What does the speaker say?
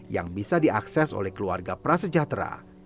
yang bisa diakses oleh keluarga prasejahtera